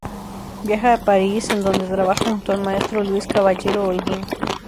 Viaja a París en donde trabaja junto al maestro Luis Caballero Holguín.